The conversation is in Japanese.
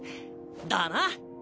だな！